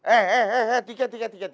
eh eh eh eh tike tike tike